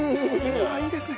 うわいいですね。